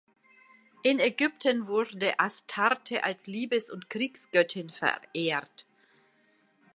In Ägypten wurde Astarte als Liebes- und Kriegsgöttin verehrt.